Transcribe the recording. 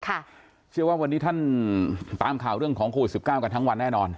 เชื่อว่าวันนี้ท่านตามข่าวเรื่องของโควิดสิบเก้ากันทั้งวันแน่นอน